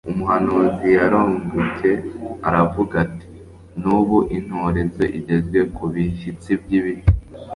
Umuhanuzi yarongcye aravuga ati: «N'ubu intorezo igezwe ku bishyitsi by'ibiti :